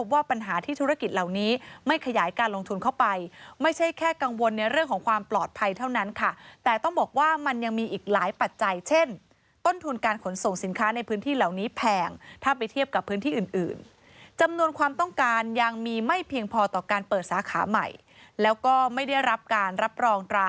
ว่าปัญหาที่ธุรกิจเหล่านี้ไม่ขยายการลงทุนเข้าไปไม่ใช่แค่กังวลในเรื่องของความปลอดภัยเท่านั้นค่ะแต่ต้องบอกว่ามันยังมีอีกหลายปัจจัยเช่นต้นทุนการขนส่งสินค้าในพื้นที่เหล่านี้แพงถ้าไปเทียบกับพื้นที่อื่นอื่นจำนวนความต้องการยังมีไม่เพียงพอต่อการเปิดสาขาใหม่แล้วก็ไม่ได้รับการรับรองตรา